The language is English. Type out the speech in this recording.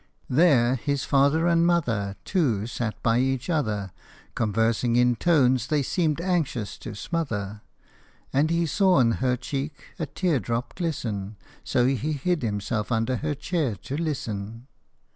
There his father and mother Too sat by each other, Conversing in tones they seemed anxious to smother, And he saw on her cheek a tear drop glisten, So he hid himself under her chair to listen.